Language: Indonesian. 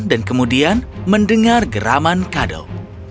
dan kemudian mendengar geraman kadal